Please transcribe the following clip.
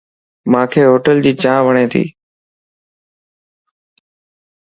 مانک ھوٽل جي چائين وڻ تي